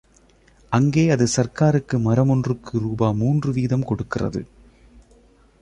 அங்கே அது சர்க்காருக்கு மரமொன்றுக்கு ரூபா மூன்று வீதம் கொடுக்கிறது.